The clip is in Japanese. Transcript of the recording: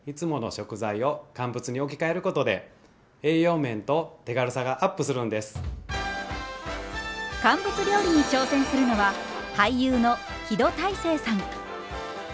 肉や魚など乾物料理に挑戦するのは俳優の木戸大聖さん。